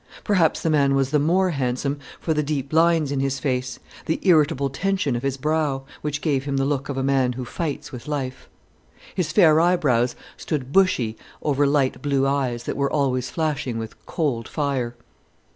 Perhaps the man was the more handsome for the deep lines in his face, the irritable tension of his brow, which gave him the look of a man who fights with life. His fair eyebrows stood bushy over light blue eyes that were always flashing with cold fire.